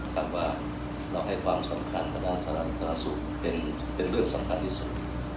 ที่เราให้ความสำคัญของด้านศาลสูตรเป็นเรื่องสำคัญที่สุด